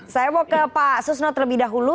saya mau ke pak susno terlebih dahulu